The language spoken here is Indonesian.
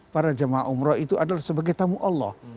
para jemaah umroh itu adalah sebagai tamu allah